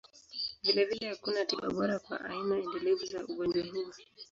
Vilevile, hakuna tiba bora kwa aina endelevu za ugonjwa huu.